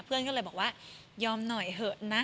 เพื่อนก็เลยบอกว่ายอมหน่อยเถอะนะ